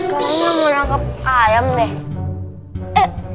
kalinya mau angkep ayam deh